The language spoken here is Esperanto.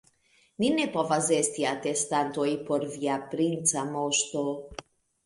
Ni ne povas esti atestantoj por via princa moŝto.